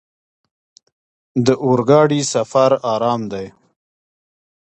د اورګاډي سفر ارام دی.